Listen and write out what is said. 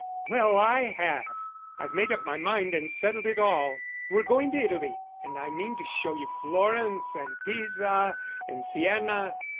"Well, I have. I've made up my mind and settled it all. We're going to Italy, and I mean to show you Florence and Pisa and Siena.